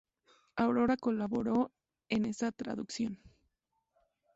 Aurora colaboró en esa traducción.